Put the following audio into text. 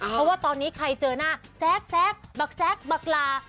เพราะว่าตอนนี้ใครเจอหน้าแซกบักแซคบักลา